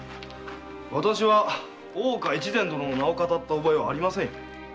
わたしは大岡越前殿の名を騙った覚えはありませんよ。